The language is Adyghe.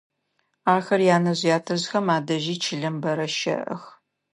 Ахэр янэжъ-ятэжъхэм адэжьи чылэм бэрэ щэӏэх.